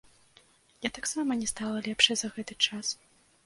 Я таксама не стала лепшай за гэты час.